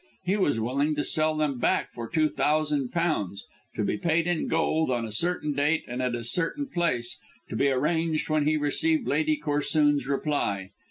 He was willing to sell them back for two thousand pounds, to be paid in gold on a certain date and at a certain place, to be arranged when he received Lady Corsoon's reply.